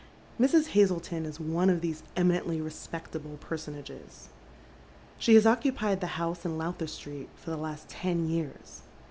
IMrs. Hazleton is one of these eminently respect able personages. She has occupied the house in Lowther Street for the last ten years.